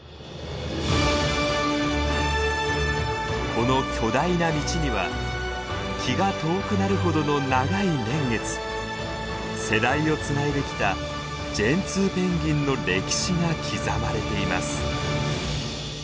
この巨大な道には気が遠くなるほどの長い年月世代をつないできたジェンツーペンギンの歴史が刻まれています。